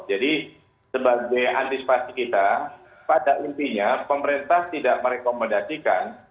jadi sebagai antisipasi kita pada intinya pemerintah tidak merekomendasikan